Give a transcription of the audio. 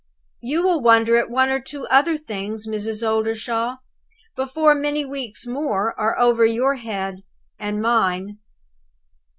You will wonder at one or two other things, Mrs. Oldershaw, before many weeks more are over your head and mine."